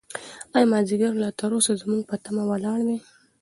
ایا مازیګر لا تر اوسه زموږ په تمه ولاړ دی؟